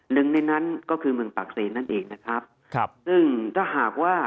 หนึ่งในนั้นก็คือเมืองปากเซนนั่นเองนะครับครับซึ่งถ้าหากว่า